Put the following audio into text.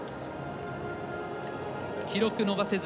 記録伸ばせず。